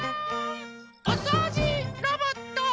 おそうじロボット！